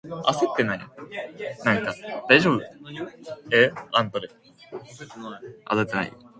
Johnson's troupes had between six and twenty members, with an average of twelve.